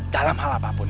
dalam hal apa pun